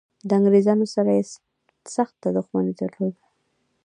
د انګریزانو سره یې ډېره سخته دښمني درلوده.